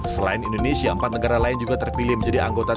selain indonesia empat negara lain juga terpilih menjadi anggota